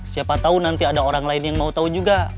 siapa tahu nanti ada orang lain yang mau tahu juga